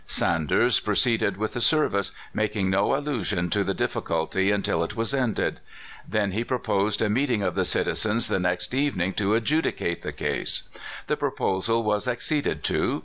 Sanders proceeded with the service, making no allusion to the diffi culty until it was ended. Then he proposed a meeting of the citizens the next evening to adju dicate the case. The proposal was acceded to.